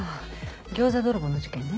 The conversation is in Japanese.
餃子泥棒の事件ね。